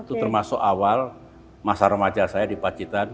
itu termasuk awal masa remaja saya di pacitan